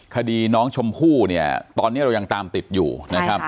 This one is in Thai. คดีน้องชมพู่เนี่ยตอนนี้เรายังตามติดอยู่นะครับ